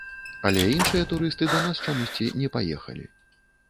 Але іншыя турысты да нас чамусьці не паехалі.